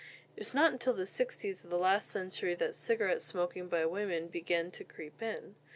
It was not until the 'sixties of the last century that cigarette smoking by women began to creep in.